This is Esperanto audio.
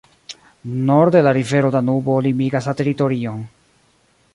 Norde la rivero Danubo limigas la teritorion.